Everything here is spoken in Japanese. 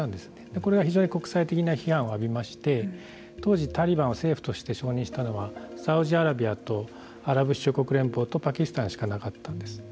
これが非常に国際的な批判を浴びまして当時タリバンを政府として承認したのはサウジアラビアとアラブ首長国連邦とパキスタンしかなかったんです。